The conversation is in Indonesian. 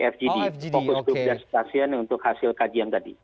fgd fokus kepedasian untuk hasil kajian tadi